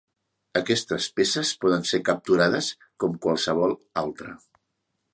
Aquestes peces poden ser capturades com qualsevol altra.